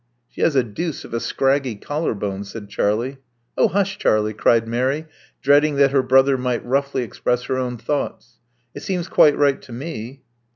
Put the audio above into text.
" She has a deuce of a scraggy collar bone," said Charlie. Oh, hush, Charlie," cried Mary, dreading that her brother might roughly express her own thoughts. It seems quite right to me."